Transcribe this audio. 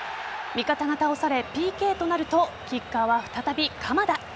味方が倒されＰＫとなるとキッカーは再び鎌田。